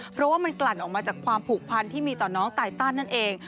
เพราะว่ามันกลั่นออกมาจากความผูกพันที่มีต่อน้องไตตันนั่นเอง